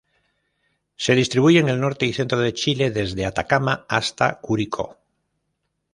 Se distribuye en el norte y centro de Chile, desde Atacama hasta Curicó.